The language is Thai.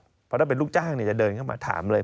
เพราะถ้าเป็นลูกจ้างจะเดินเข้ามาถามเลย